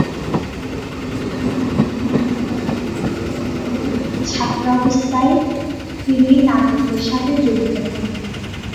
ছাত্রবস্থায় তিনি নাটকের সাথে জড়িত হন।